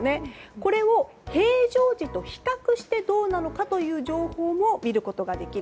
これを平常時と比較してどうなのかという情報も見ることができる。